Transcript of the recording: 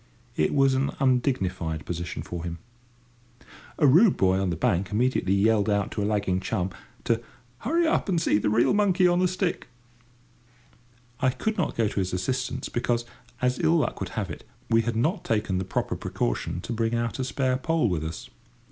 It was an undignified position for him. A rude boy on the bank immediately yelled out to a lagging chum to "hurry up and see a real monkey on a stick." I could not go to his assistance, because, as ill luck would have it, we had not taken the proper precaution to bring out a spare pole with us.